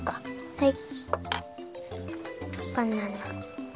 はい。